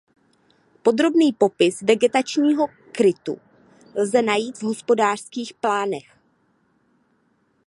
Podrobný popis vegetačního krytu lze najít v hospodářských plánech.